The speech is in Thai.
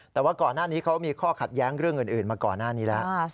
แต่ว่าก่อนหน้านี้เขามีข้อขัดแย้งเรื่องอื่นมาก่อนหน้านี้แล้ว